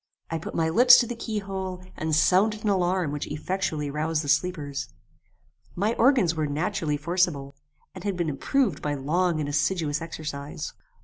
I put my lips to the key hole, and sounded an alarm which effectually roused the sleepers. My organs were naturally forcible, and had been improved by long and assiduous exercise.